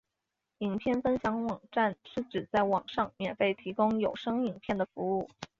影片分享网站是指在网上免费提供有声影片的服务。